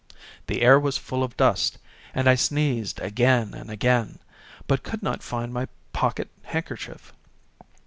The air was full of dust, and I sneezed again and again, but could not find my pocket handkerchief.